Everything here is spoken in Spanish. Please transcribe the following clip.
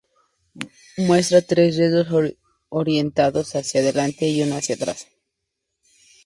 Muestra tres dedos orientados hacia delante y uno hacia atrás.